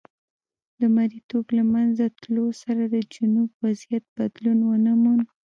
د مریتوب له منځه تلو سره د جنوب وضعیت بدلون ونه موند.